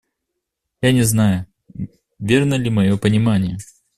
Я не знаю, верно ли мое понимание.